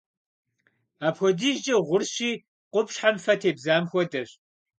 Апхуэдизкӏэ гъурщи, къупщхьэм фэ тебзам хуэдэщ.